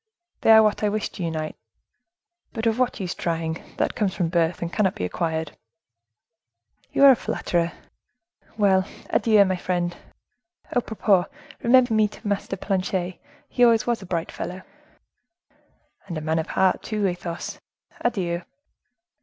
They are what I wish to unite! But, of what use trying! that comes from birth, and cannot be acquired." "You are a flatterer! Well! adieu, dear friend. A propos, remember me to Master Planchet; he always was a bright fellow." "And a man of heart, too, Athos. Adieu."